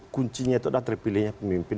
kunci nya itu adalah terpilih pemimpin